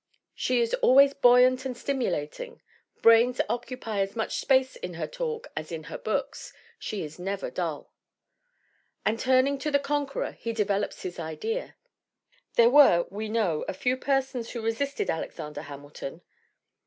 She is "always buoyant and stimulat ing. Brains occupy as much space in her talk as in her books. She is never dull." And turning to The Conqueror, he develops his idea: "There were, we know, a few persons who resisted Alexander Hamilton.